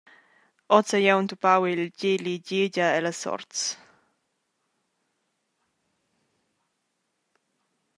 Oz hai jeu entupau il Geli Gegia ellas Sorts.